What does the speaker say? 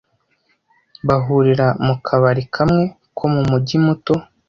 Bahurira mu kabari kamwe ko mu mujyi muto